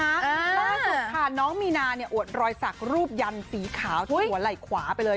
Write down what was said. ตอนนี้สุดท้านน้องมีนาเนี่ยอวดรอยสักรูปยันสีขาวทั่วไหล่ขวาไปเลย